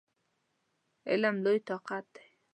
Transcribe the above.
علم لوی طاقت دی!